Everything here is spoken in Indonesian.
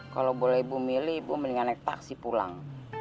kalau boleh ibu milih ibu mendingan naik taksi pulang